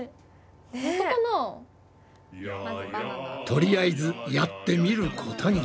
とりあえずやってみることに。